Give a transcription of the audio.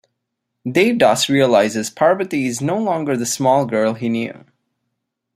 Devdas realises Parvati is no longer the small girl he knew.